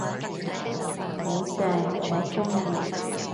好正，我鍾意